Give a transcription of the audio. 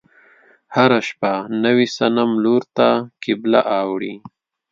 هره شپه نوي صنم لور ته قبله اوړي.